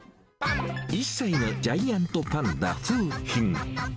１歳のジャイアントパンダ、ふうひん。